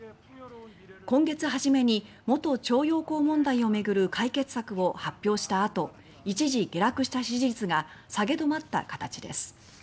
今月はじめに元徴用工問題をめぐる解決策を発表した後一時、下落した支持率が下げ止まった形です。